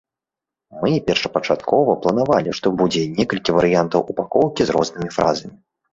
Мы першапачаткова планавалі, што будзе некалькі варыянтаў упакоўкі з рознымі фразамі.